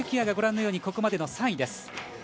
椰がここまでの３位です。